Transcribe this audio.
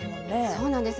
そうなんです。